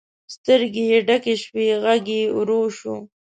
سترګې یې ډکې شوې، غږ یې ورو شو.